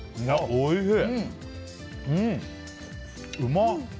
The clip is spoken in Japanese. おいしい！